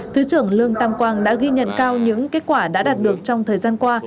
thứ trưởng lương tam quang đã ghi nhận cao những kết quả đã đạt được trong thời gian qua